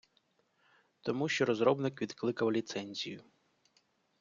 Тому, що розробник відкликав ліцензію.